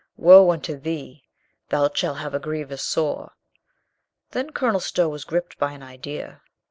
Woe unto thee ! Thou shalt have a grievous sore." Then Colonel Stow was gripped by an idea.